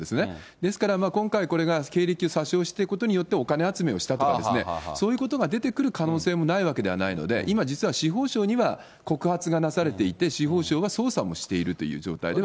ですから、今回これが経歴詐称してることによってお金集めをしたとかですね、そういうことが出てくる可能性もないわけではないので、今、実は司法省には告発がなされていて、司法省は捜査もしているという状態です。